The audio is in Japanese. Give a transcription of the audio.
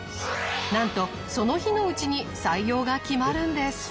なんとその日のうちに採用が決まるんです。